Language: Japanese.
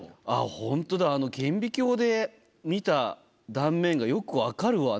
ホントだあの顕微鏡で見た断面がよく分かるわ。